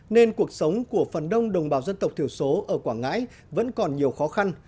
nên cuộc sống của phần đông đồng bào dân tộc thiểu số ở quảng ngãi vẫn còn nhiều khó khăn